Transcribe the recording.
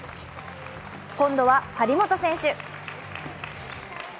今度は張本選手。